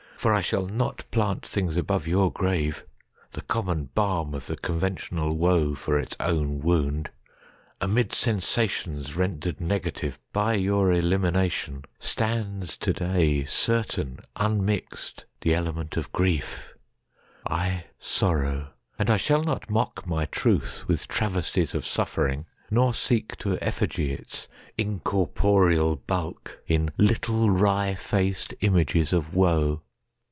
For I shall notPlant things above your grave—(the common balmOf the conventional woe for its own wound!)Amid sensations rendered negativeBy your elimination stands to day, Certain, unmixed, the element of grief;I sorrow; and I shall not mock my truthWith travesties of suffering, nor seekTo effigy its incorporeal bulkIn little wry faced images of woe.